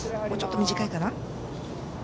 もうちょっと短いかな。